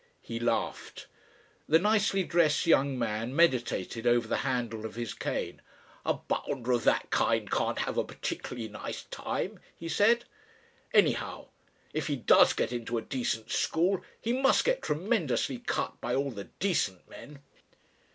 '" He laughed. The nicely dressed young man meditated over the handle of his cane. "A bounder of that kind can't have a particularly nice time," he said, "anyhow. If he does get into a decent school, he must get tremendously cut by all the decent men."